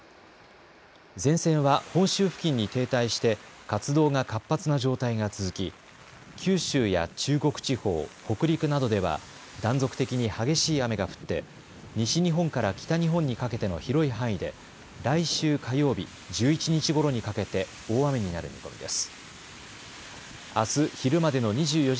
前線は本州付近に停滞して活動が活発な状態が続き九州や中国地方、北陸などでは断続的に激しい雨が降って西日本から北日本にかけての広い範囲で来週火曜日１１日ごろにかけて大雨になる見込みです。